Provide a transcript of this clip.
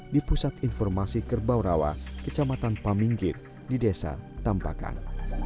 di pusat informasi kerbau rawa kecamatan paminggir di desa tampakan